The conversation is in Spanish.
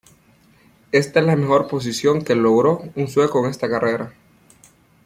Esta es la mejor posición que logró un sueco en esta carrera.